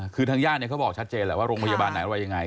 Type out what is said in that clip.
คือทางย่างเนี่ยเขาบอกชัดเจนแหละว่าโรงพยาบาลไหนว่ายังไง